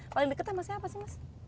paling deketnya masnya apa sih mas